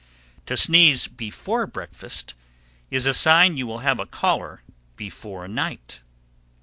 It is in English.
To sneeze before breakfast is a sign you will have a caller before night.